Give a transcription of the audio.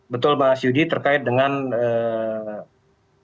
betul mas yudi terkait dengan